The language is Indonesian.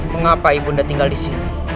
mengapa ibu anda tinggal disini